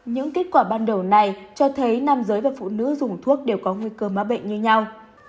những kết quả ban đầu này cho thấy nam giới và phụ nữ dùng thuốc đều có nguy cơ má bệnh như nhau